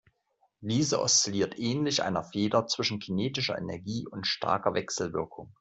Diese oszilliert ähnlich einer Feder zwischen kinetischer Energie und starker Wechselwirkung.